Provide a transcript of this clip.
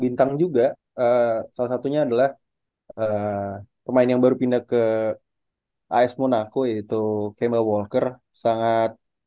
bintang juga salah satunya adalah pemain yang baru pindah ke as monaco yaitu kema walker sangat